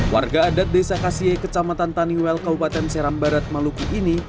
warga adat desa kasie kecamatan taniwel kabupaten seram barat maluku ini